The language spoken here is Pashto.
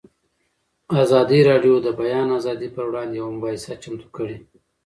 ازادي راډیو د د بیان آزادي پر وړاندې یوه مباحثه چمتو کړې.